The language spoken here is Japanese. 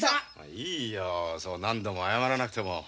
いいよそう何度も謝らなくても。